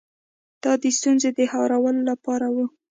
دا د ستونزې د هواري لپاره و.